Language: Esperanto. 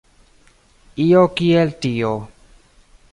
Io kiel tio.